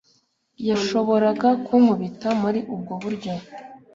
yashoboraga kunkubita muri ubwo buryo